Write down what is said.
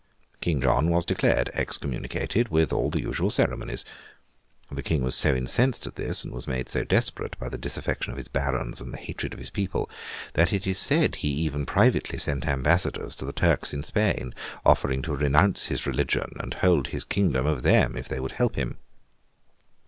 King John was declared excommunicated, with all the usual ceremonies. The King was so incensed at this, and was made so desperate by the disaffection of his Barons and the hatred of his people, that it is said he even privately sent ambassadors to the Turks in Spain, offering to renounce his religion and hold his kingdom of them if they would help him.